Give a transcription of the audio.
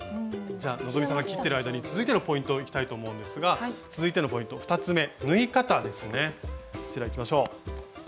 じゃ希さんが切ってる間に続いてのポイントいきたいと思うんですが続いてのポイント２つめ。